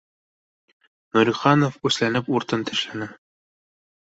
Нуриханов үсләнеп уртын тешләне